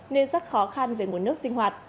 nên rất khó khăn về nguồn nước sinh hoạt